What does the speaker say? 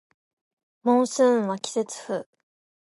モンスーンは季節風